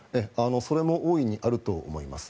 それも大いにあると思います。